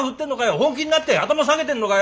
本気になって頭下げてんのかよ。